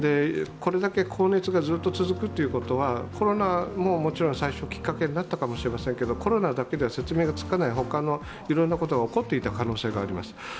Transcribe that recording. これだけ高熱がずっと続くということはコロナももちろん最初のきっかけになったかもしれませんけど、コロナだけでは説明がつかない他のいろんなことが起こっていた可能性があります。